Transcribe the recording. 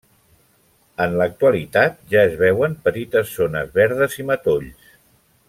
En l'actualitat ja es veuen petites zones verdes i matolls.